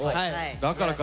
だからか。